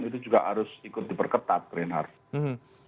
itu juga harus ikut diperketat keren harus